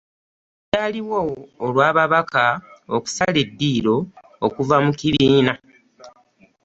Byaliwo olw'ababaka okusala eddiiro okuva mu kibiina.